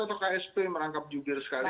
atau ksp merangkap jubir sekali